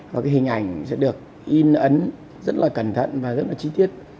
và cái hình ảnh sẽ được in ấn rất là cẩn thận và rất là chi tiết